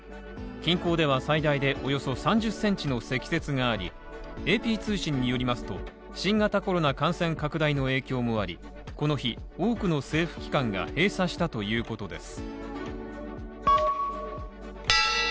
近郊では最大でおよそ３０センチの積雪があり、ＡＰ通信によりますと、新型コロナ感染拡大の影響もあり、この日、多くの政府機関が閉鎖したということです。